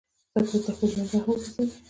سپورت د خپل ژوند برخه وګرځوئ.